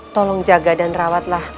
tolong jaga dan rawatlah